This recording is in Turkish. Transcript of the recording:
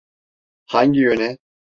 Hangi yöne?